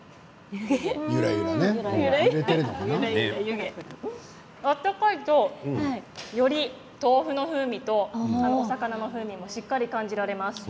ゆらゆらね、湯気温かいとより豆腐の風味とお魚の風味がしっかり感じられます。